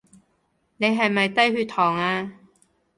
你係咪低血糖呀？